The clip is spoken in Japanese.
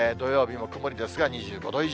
土曜日も曇りですが、２５度以上。